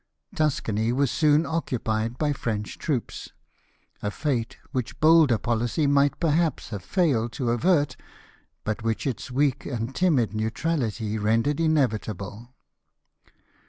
Tuscany Avas soon occupied by French troops, a fate which bolder policy might perhaps have failed to avert, but which its weak and timid neutrality rendered inevitable.